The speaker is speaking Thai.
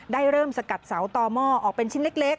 ได้เริ่มสกัดเสาต่อหม้อออกเป็นชิ้นเล็ก